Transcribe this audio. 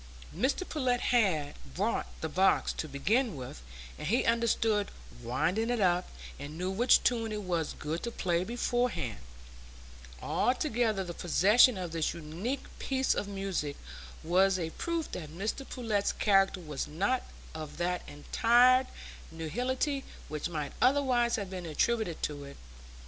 Mr Pullet had bought the box, to begin with, and he understood winding it up, and knew which tune it was going to play beforehand; altogether the possession of this unique "piece of music" was a proof that Mr Pullet's character was not of that entire nullity which might otherwise have been attributed to it.